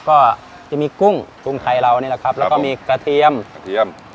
ก็จะมีกุ้งกุ้งไทยเรานี่แหละครับแล้วก็มีกระเทียมกระเทียม